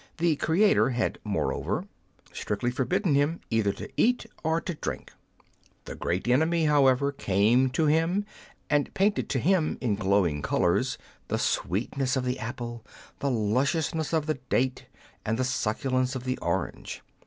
The Creator had, moreover, strictly forbidden him either to eat or to drink. The great enemy, how ever, came to him, and painted to him in glowing colours the sweetness of the apple, the lusciousness of the date, and the succulence of the orange.